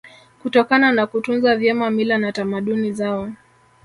Kutokana na kutunza vyema mila na tamaduni zao